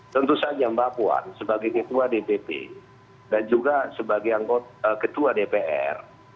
tentu saja mbak puan sebagai ketua dpp dan juga sebagai ketua dpr